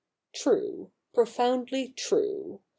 True, profoundly true.